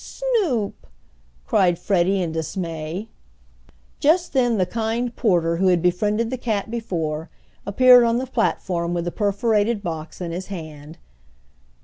"Snoop!" cried Freddie, in dismay. Just then the kind porter who had befriended the cat before, appeared on the platform with the perforated box in his hand.